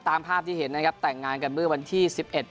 ตามภาพที่เห็นนะครับแต่งงานกันเมื่อวันที่๑๑